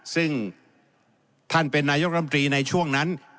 ซึ่งท่านเป็นนายกรรมตรีในช่วงนั้น